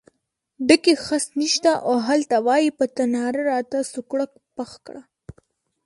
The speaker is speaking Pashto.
ډکی خس نشته او هلته وایې په تناره راته سوکړک پخ کړه.